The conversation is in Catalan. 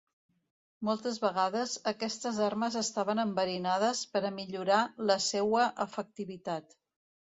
Moltes vegades, aquestes armes estaven enverinades per a millorar la seua efectivitat.